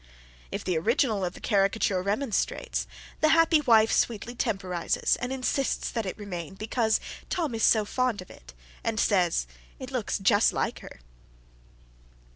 If the original of the caricature remonstrates, the happy wife sweetly temporises and insists that it remain, because "Tom is so fond of it," and says, "it looks just like her."